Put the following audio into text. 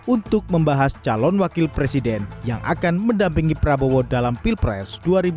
untuk membahas calon wakil presiden yang akan mendampingi prabowo dalam pilpres dua ribu dua puluh